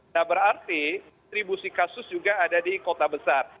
nah berarti distribusi kasus juga ada di kota besar